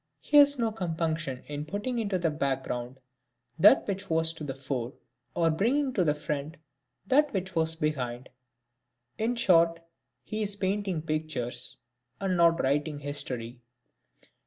He has no compunction in putting into the background that which was to the fore, or bringing to the front that which was behind. In short he is painting pictures, and not writing history.